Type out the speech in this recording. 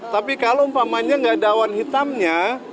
tapi kalau umpamanya nggak ada awan hitamnya